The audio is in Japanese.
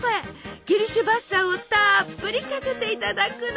キルシュヴァッサーをたっぷりかけていただくの。